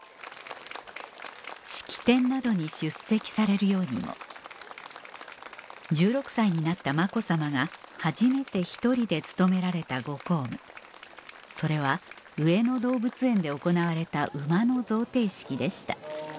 式典などに出席されるようにも１６歳になった子さまが初めて１人で務められたご公務それは上野動物園で行われた馬の贈呈式でした